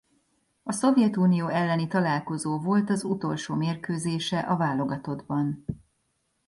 A Szovjetunió elleni találkozó volt az utolsó mérkőzése a válogatottban.